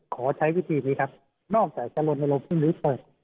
ขอใช้วิธีนี้ครับนอกจากจรงรบเปิดแล้วเปิดที่นี้